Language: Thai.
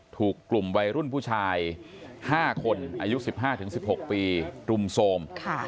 ถูกกลุ่มวัยรุ่นผู้ชาย๕คนอายุ๑๕๑๖ปีรุมโทรม